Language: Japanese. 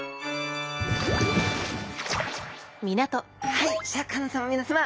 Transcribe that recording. はいシャーク香音さま皆さま。